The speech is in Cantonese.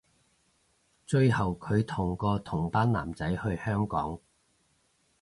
最後距同個同班男仔去香港